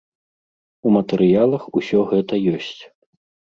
У матэрыялах усё гэта ёсць.